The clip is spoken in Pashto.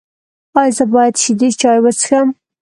ایا زه باید شیدې چای وڅښم؟